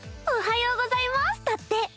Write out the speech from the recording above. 「おはようございます」だって。